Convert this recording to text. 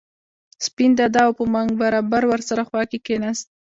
سپین دادا او په منګ برابر ور سره خوا کې کېناست.